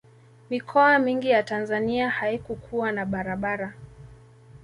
mikoa mingi ya tanzania haikukuwa na barabara